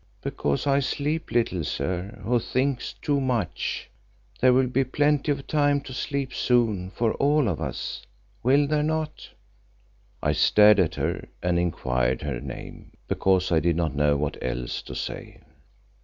"Because I sleep little, sir, who think too much. There will be plenty of time to sleep soon for all of us, will there not?" I stared at her and inquired her name, because I did not know what else to say.